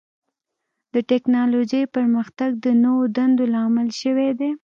د ټکنالوجۍ پرمختګ د نوو دندو لامل شوی دی.